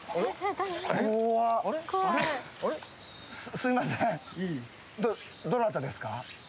すいませんどなたですか？